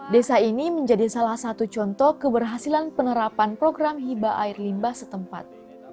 desa ini menjadi salah satu contoh keberhasilan penerapan program hiba air limbah setempat